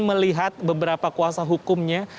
melihat beberapa kuasa hukumnya